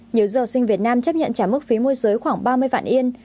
nhiều du học sinh việt nam chấp nhận trả mức phí môi giới khoảng ba mươi yên